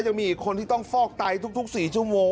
ยังมีอีกคนที่ต้องฟอกไตทุก๔ชั่วโมง